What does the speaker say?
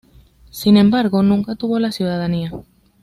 Sin embargo, nunca obtuvo la ciudadanía.